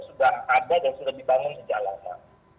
sudah ada dan sudah dibangun sejak lama